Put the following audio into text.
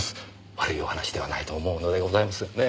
悪いお話ではないと思うのでございますがねえ。